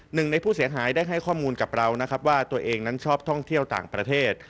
หนึ่งในผู้เสียหายได้ให้ข้อมูลกับเรานะครับว่าตัวเองนั้นชอบท่องเที่ยวต่างประเทศ